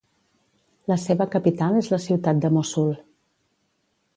La seva capital és la ciutat de Mossul.